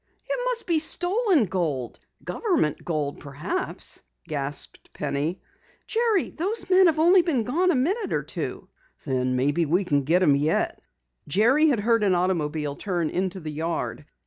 "It must be stolen gold government gold, perhaps," gasped Penny. "Jerry, those men have been gone only a minute or two!" "Then maybe we can get 'em yet!" Jerry had heard an automobile turn into the yard.